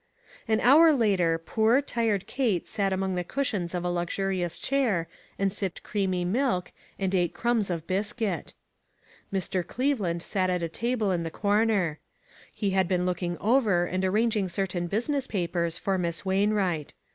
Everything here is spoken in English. An hour later poor, tired Kate sat among the cushions of a luxurious chair, and sipped creamy milk, and ate crumbs of biscuit. Mr. Cleveland sat at a table in the corner. He had been looking over and arranging certain business papers for Miss Wainwright.